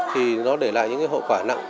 thì nó để lại những hậu quả nặng